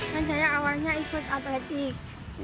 saya awalnya ikut atletik